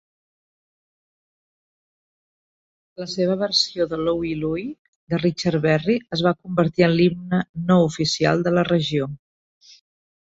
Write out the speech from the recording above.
La seva versió de "Louie, Louie" de Richard Berry es va convertir en l'himne no oficial de la regió.